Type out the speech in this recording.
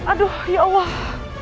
aduh ya allah